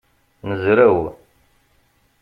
Nezrew.